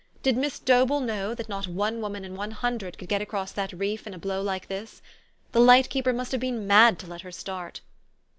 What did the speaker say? Did Miss Dobell know that not one woman in one hundred could get across that reef in a blow like this? The light keeper must have been mad to let her start.